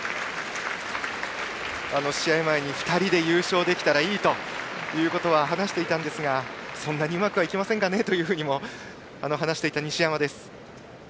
試合前に、２人で優勝できたらいいということを話していたんですが、そんなにうまくはいきませんかねと話していた西山です。